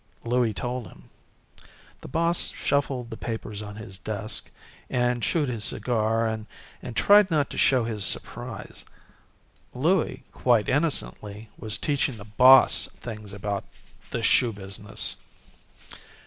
Louie told him. The boss shuffled the papers on his desk, and chewed his cigar, and tried not to show his surprise. Louie, quite innocently, was teaching the boss things about the shoe business.